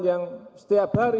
yang setiap hari